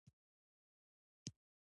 داسی ولې کوي